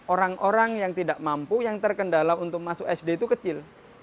orang orang yang tidak mampu yang terkendala untuk masuk sd itu kecil